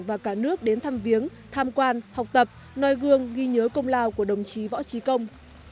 và cả nước đến thăm viếng tham quan học tập noi gương ghi nhớ công lao của đồng chí võ trí công